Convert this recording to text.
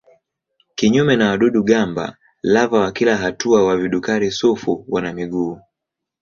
Kinyume na wadudu-gamba lava wa kila hatua wa vidukari-sufu wana miguu.